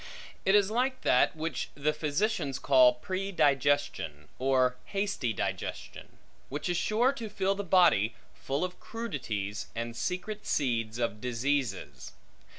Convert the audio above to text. It is like that, which the physicians call predigestion, or hasty digestion; which is sure to fill the body full of crudities, and secret seeds of diseases.